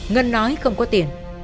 ngân nói không có tiền